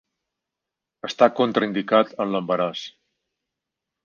Està contraindicat en l'embaràs.